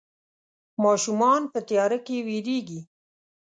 ماشومان په تياره کې ويرېږي.